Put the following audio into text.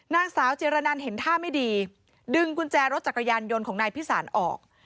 นางสาวจิรนันเห็นท่าไม่ดีดึงกุญแจรถจักรยานยนต์ของนายพิสารออก